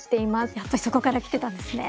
やっぱりそこから来てたんですね。